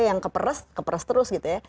yang keperes keperes terus gitu ya